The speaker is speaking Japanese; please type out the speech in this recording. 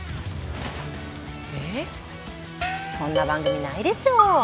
えそんな番組ないでしょ。